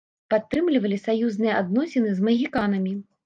Падтрымлівалі саюзныя адносіны з магіканамі.